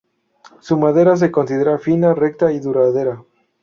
Su madera se considera fina, recta y duradera